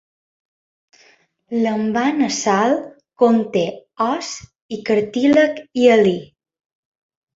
L'envà nasal conté os i cartílag hialí.